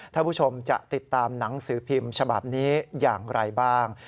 ท่านผู้ชมจะติดตามหนังสือพิมพ์ฉบับนี้อย่างไรบ้าง